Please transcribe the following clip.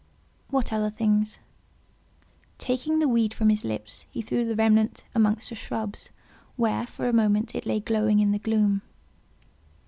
"What other things?" Taking the weed from his lips, he threw the remnant amongst the shrubs, where, for a moment, it lay glowing in the gloom.